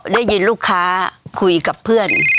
ได้ยินลูกค้าคุยกับเพื่อน